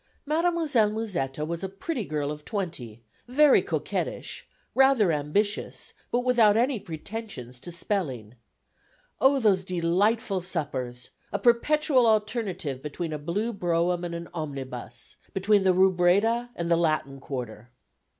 "Mademoiselle Musetta was a pretty girl of twenty, very coquettish, rather ambitious, but without any pretensions to spelling. Oh, those delightful suppers ... a perpetual alternative between a blue brougham and an omnibus: between the Rue Breda and the Latin quarter."